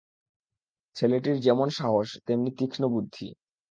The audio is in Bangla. ছেলেটির যেমন সাহস তেমনি তীক্ষ্ণ বুদ্ধি।